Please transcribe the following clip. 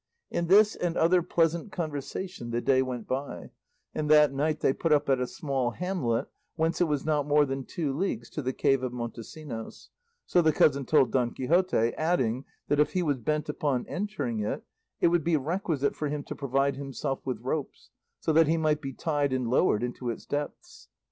In this and other pleasant conversation the day went by, and that night they put up at a small hamlet whence it was not more than two leagues to the cave of Montesinos, so the cousin told Don Quixote, adding, that if he was bent upon entering it, it would be requisite for him to provide himself with ropes, so that he might be tied and lowered into its depths.